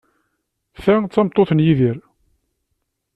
Ta d tameṭṭut n Yidir.